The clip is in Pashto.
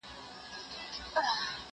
ته ولې اوبه څښې.